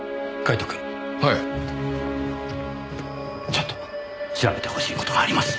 ちょっと調べてほしい事があります。